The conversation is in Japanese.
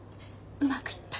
うまくいった？